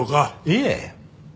いいえ。